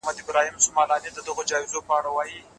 مدافع وکیلان د پوره قانوني خوندیتوب حق نه لري.